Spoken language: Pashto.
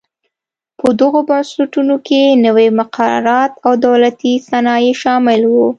په دغو بنسټونو کې نوي مقررات او دولتي صنایع شامل و.